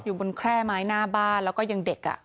อยู่บนแคร่ไม้หน้าบ้านแล้วก็ยังเด็ก